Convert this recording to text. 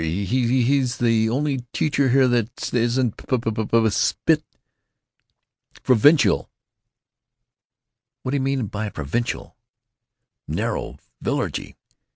He's—he's the only t teacher here that isn't p p p——" "Spit!" "——provincial!" "What d'you mean by 'provincial'?" "Narrow. Villagey.